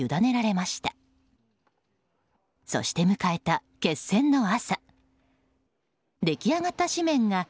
そして迎えた決戦の朝。